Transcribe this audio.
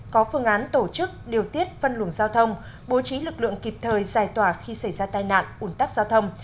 có phương án tổ chức điều tiết phân luồng giao thông bố trí lực lượng kịp thời giải tỏa khi xảy ra tai nạn ủn tắc giao thông